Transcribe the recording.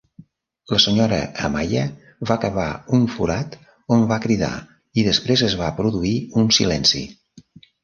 La Sra. Amaya va cavar un forat on va cridar i després es va produir un silenci.